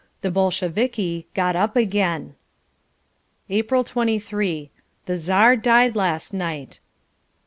The Bolsheviki got up again. April 23. The Czar died last night.